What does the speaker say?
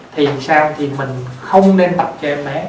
thì sao thì mình không nên tập cho em bé